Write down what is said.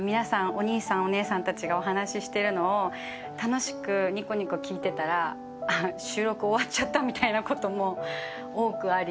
お兄さんお姉さんたちがお話ししてるのを楽しくにこにこ聞いてたら収録終わっちゃったみたいなことも多くあり」